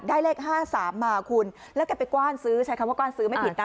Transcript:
เลข๕๓มาคุณแล้วแกไปกว้านซื้อใช้คำว่ากว้านซื้อไม่ผิดนะ